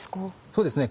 そうですね